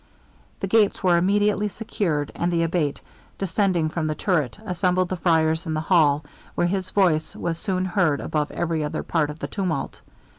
The gates were immediately secured; and the Abate, descending from the turret, assembled the friars in the hall, where his voice was soon heard above every other part of the tumult.